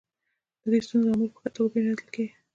د دې ستونزې عوامل په ښه توګه پېژندل کیږي.